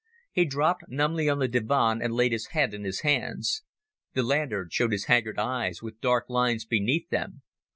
He dropped numbly on the divan and laid his head in his hands. The lantern showed his haggard eyes with dark lines beneath them.